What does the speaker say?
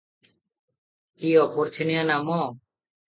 କି ଅପରଛନିଆ ନାମ!